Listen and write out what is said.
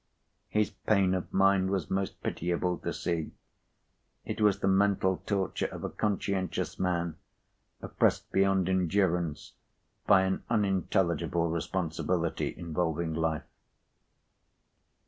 His pain of mind was most pitiable to see. It was the mental torture of a conscientious p. 106man, oppressed beyond endurance by an unintelligible responsibility involving life.